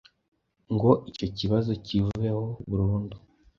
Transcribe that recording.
ngo icyo kibazo kiveho burundu